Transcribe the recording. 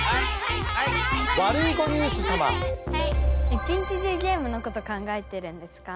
一日中ゲームのこと考えてるんですか？